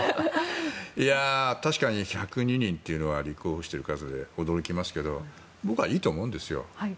確かに１０２人というのは驚きますけど僕はいいと思うんですよ。